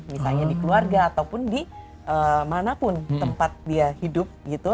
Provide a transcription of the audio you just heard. misalnya di keluarga ataupun di manapun tempat dia hidup gitu